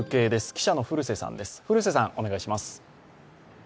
記者の古瀬さんです。